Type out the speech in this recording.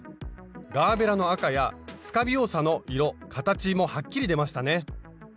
ガーベラの赤やスカビオサの色形もはっきり出ましたね。